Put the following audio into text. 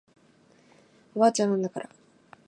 おばあちゃんなんだから